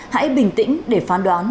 hãy bình tĩnh để phán đoán